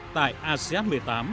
tại asean một mươi tám